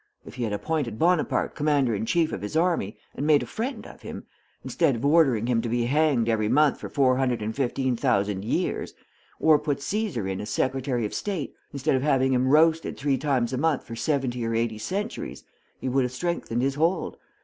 If he had appointed Bonaparte commander in chief of his army and made a friend of him, instead of ordering him to be hanged every month for 415,000 years, or put Caesar in as Secretary of State, instead of having him roasted three times a month for seventy or eighty centuries, he would have strengthened his hold.